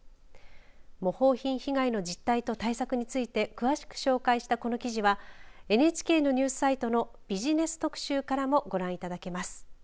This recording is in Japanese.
模倣品被害の実態と対策について詳しく紹介したこの記事はＮＨＫのニュースサイトのビジネス特集からもご覧いただけます。